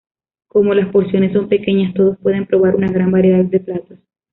Como las porciones son pequeñas, todos pueden probar una gran variedad de platos.